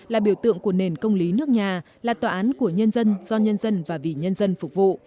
là biểu tượng của nền công lý nước nhà là tòa án của nhân dân do nhân dân và vì nhân dân phục vụ